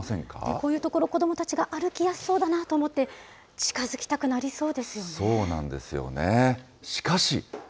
こういう所、子どもたちが歩きやすそうだなと思って、近づきそうなんですよね。